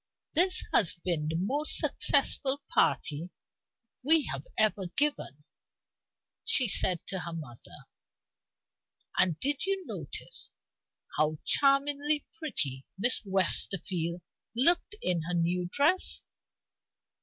"This has been the most successful party we have ever given," she said to her mother. "And did you notice how charmingly pretty Miss Westerfield looked in her new dress?"